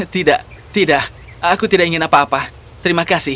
tidak tidak aku tidak ingin apa apa terima kasih